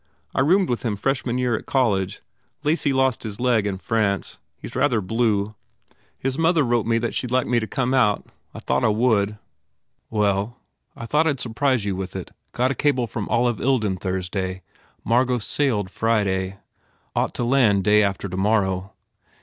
I roomed with him freshman year at col lege Lacy lost his leg in France. He s rather blue. His mother wrote me that she d like me to come out. I thought I would." "Well. I thought I d surprise you with it. Got a cable from Olive Ilden Thursday. Mar got sailed Friday. Ought to land day after to morrow."